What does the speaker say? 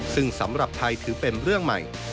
ซึ่งสำหรับไทยถือเป็นเรื่องใหม่